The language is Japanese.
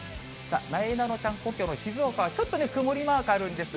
なえなのちゃんの故郷の静岡はちょっと曇りマークあるんですが。